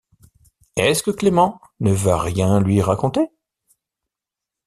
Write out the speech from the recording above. Est-ce que Clément ne va rien lui raconter ?